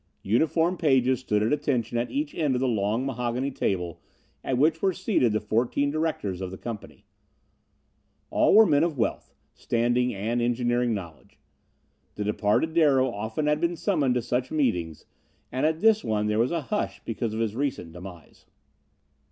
Uniformed pages stood at attention at each end of the long, mahogany table at which were seated the fourteen directors of the company. All were men of wealth, standing and engineering knowledge. The departed Darrow often had been summoned to such meetings, and at this one there was a hush because of his recent demise.